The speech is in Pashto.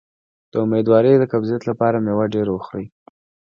د امیدوارۍ د قبضیت لپاره میوه ډیره وخورئ